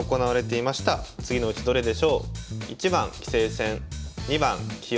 次のうちどれでしょう？